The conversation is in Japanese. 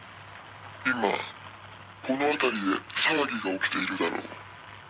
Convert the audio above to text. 「今この辺りで騒ぎが起きているだろう」「」